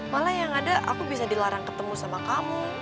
malah yang ada aku bisa dilarang ketemu sama kamu